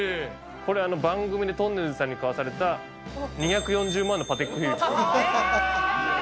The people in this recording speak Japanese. これ、番組でとんねるずさんに買わされた２４０万のパテックフィリップ。